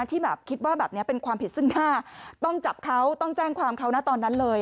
ที่แบบคิดว่าแบบนี้เป็นความผิดซึ่งหน้าต้องจับเขาต้องแจ้งความเขานะตอนนั้นเลย